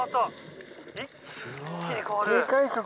すごい。